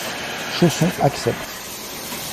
Chausson accepte.